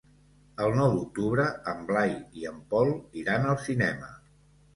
El nou d'octubre en Blai i en Pol iran al cinema.